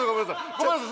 ごめんなさい。